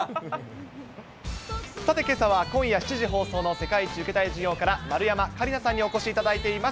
さてけさは、今夜７時放送の世界一受けたい授業から、丸山桂里奈さんにお越しいただいています。